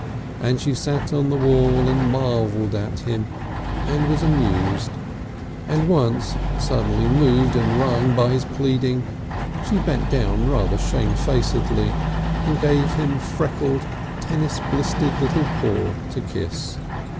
And she sat on the wall and marvelled at him and was amused, and once, suddenly moved and wrung by his pleading, she bent down rather shamefacedly and gave him a freckled, tennis blistered little paw to kiss.